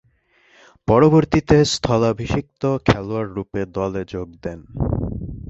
পরবর্তীতে স্থলাভিষিক্ত খেলোয়াড়রূপে দলে যোগ দেন।